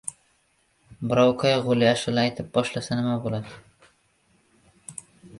birov qayg‘uli ashula aytib boshlasa nima bo‘ladi?